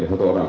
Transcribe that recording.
iya satu orang